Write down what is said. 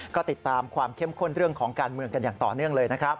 ก็ติดตามความเข้มข้นเรื่องของการเมืองกันอย่างต่อเนื่องเลยนะครับ